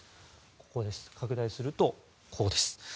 ここです、拡大するとこうです。